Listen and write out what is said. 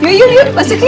yuk yuk yuk masuk yuk